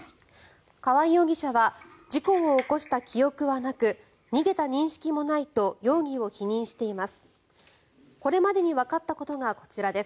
川合容疑者は事故を起こした記憶はなく逃げた認識もないと容疑を否認しています。